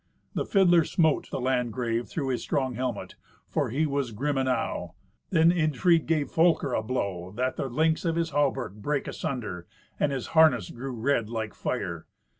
The fiddler smote the Landgrave through his strong helmet, for he was grim enow. Then Irnfried gave Folker a blow, that the links of his hauberk brake asunder, and his harness grew red like fire.